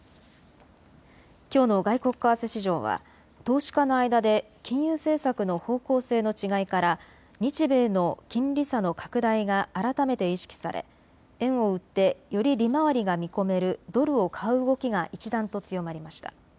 きょうの外国為替市場は投資家の間で金融政策の方向性の違いから日米の金利差の拡大が改めて意識され円を売ってより利回りが見込めるドルを買う動きが一段と強まりました。